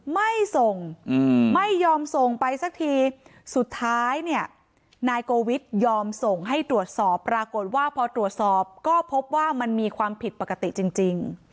ไม่ส่งไม่ยอมส่งไปสักทีสุดท้ายเนี่ยนายโกวิทยอมส่งให้ตรวจสอบปรากฏว่าพอตรวจสอบก็พบว่ามันมีความผิดปกติจริง